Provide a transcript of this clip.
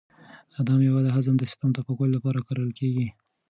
دا مېوه د هضم د سیسټم د پاکوالي لپاره کارول کیږي.